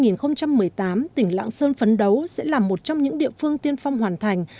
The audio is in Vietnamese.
năm hai nghìn một mươi tám tỉnh lạng sơn phấn đấu sẽ là một trong những địa phương tiên phong hoàn thành